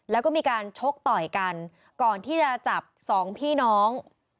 แล้วก็มีการชกต่อยกันก่อนที่จะจับสองพี่น้อง